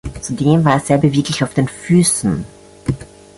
Zudem war er sehr beweglich auf den Füßen.